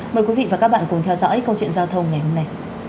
mời quý vị và các bạn cùng theo dõi câu chuyện giao thông ngày hôm nay